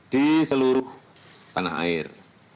di seluruh tanah air